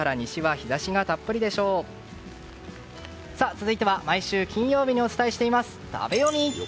続いては毎週金曜日にお伝えしています食べヨミ。